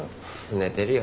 寝てるよ。